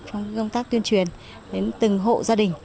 trong công tác tuyên truyền đến từng hộ gia đình